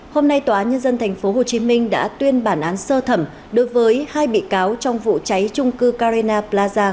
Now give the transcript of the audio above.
hôm nay tòa nhân dân tp hcm đã tuyên bản án sơ thẩm đối với hai bị cáo trong vụ cháy trung cư carina plaza